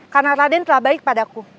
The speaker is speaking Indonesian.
karena raden telah baik padaku